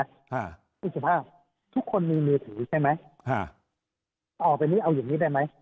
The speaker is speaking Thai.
คุณสุภาพทุกคนมีมือถุฉันไหมเอาอย่างนี้ได้ไหม